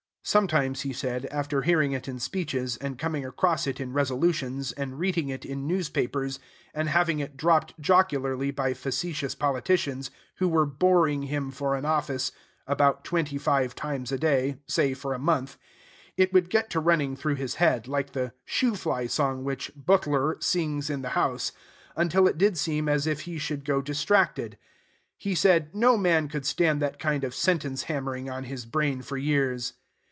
Sometimes, he said, after hearing it in speeches, and coming across it in resolutions, and reading it in newspapers, and having it dropped jocularly by facetious politicians, who were boring him for an office, about twenty five times a day, say for a month, it would get to running through his head, like the "shoo fly" song which B tl r sings in the House, until it did seem as if he should go distracted. He said, no man could stand that kind of sentence hammering on his brain for years.